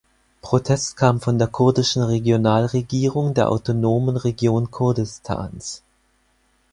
Protest kam von der kurdischen Regionalregierung der Autonomen Region Kurdistans.